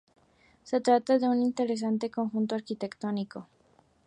Se trata de un interesante conjunto arquitectónico.